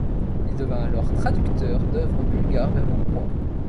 Il devient alors traducteur d'œuvres bulgares vers le Hongrois.